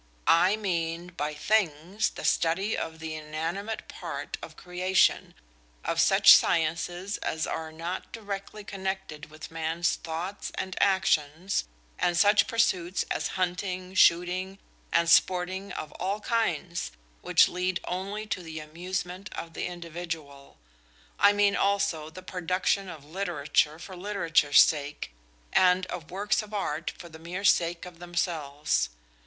"I mean by 'things' the study of the inanimate part of creation, of such sciences as are not directly connected with man's thoughts and actions, and such pursuits as hunting, shooting, and sporting of all kinds, which lead only to the amusement of the individual. I mean also the production of literature for literature's sake, and of works of art for the mere sake of themselves.